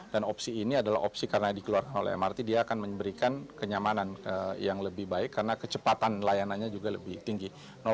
dan opsi ini adalah opsi karena dikeluarkan oleh mrt dia akan memberikan kenyamanan yang lebih baik karena kecepatan layanannya juga lebih tinggi